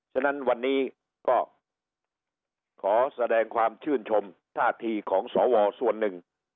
ฉะนั้นวันนี้ก็ขอแสดงความชื่นชมท่าทีของสวส่วนหนึ่ง